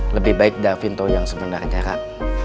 lebih baik davinto yang sebenarnya kak